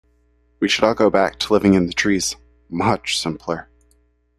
We should all go back to living in the trees, much simpler.